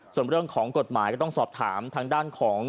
ส่วนเรื่องของกฎหมายก็ต้องสอบถามทางด้านของ